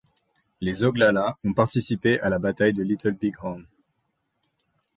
Les Oglalas ont participé à la bataille de Little Bighorn.